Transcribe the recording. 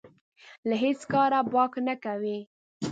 له هېڅ کاره باک نه کوي.